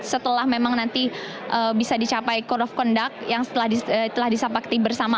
setelah memang nanti bisa dicapai code of conduct yang telah disepakti bersama